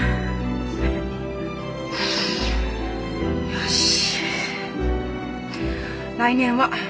よし。